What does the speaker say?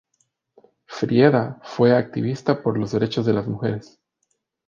Frieda fue activista por los derechos de las mujeres.